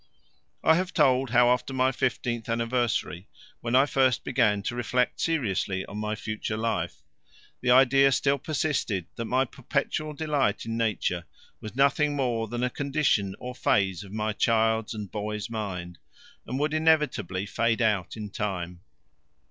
I have told how after my fifteenth anniversary, when I first began to reflect seriously on my future life, the idea still persisted that my perpetual delight in Nature was nothing more than a condition or phase of my child's and boy's mind, and would inevitably fade out in time.